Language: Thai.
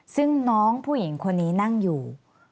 ซึ่งน้องผู้หญิงคนนี้นั่งอยู่